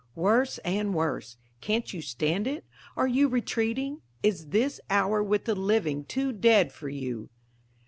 Worse and worse! Can't you stand it? Are you retreating? Is this hour with the living too dead for you?